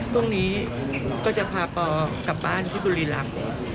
พรุ่งนี้ก็จะพาปอกลับบ้านที่บุรีรำ